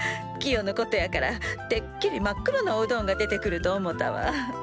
キヨのことやからてっきり真っ黒のおうどんが出てくると思たわ。